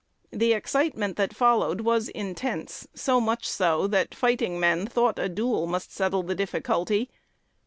The excitement that followed was intense, so much so, that fighting men thought that a duel must settle the difficulty.